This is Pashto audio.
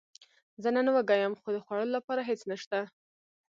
زه نن وږی یم، خو د خوړلو لپاره هیڅ نشته